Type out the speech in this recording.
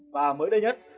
và mới đây nhất